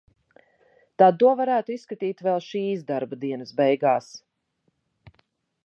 Tad to varētu izskatīt vēl šīs darba dienas beigās.